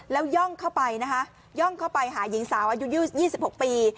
แล้วย่องเข้าไปนะคะย่องเข้าไปหาหญิงสาวอายุ๒๖ปี